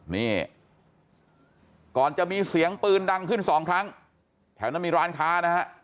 นี่ก่อนจะมีเสียงปืนดังขึ้นสองครั้งแถวนั้นมีร้านค้านะฮะ